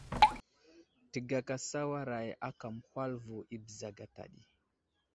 Təgaka sawaray aka məhwal vo i bəza gata ɗi.